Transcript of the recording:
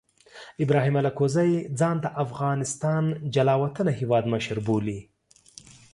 ابراهیم الکوزي ځان د افغانستان جلا وطنه هیواد مشر بولي.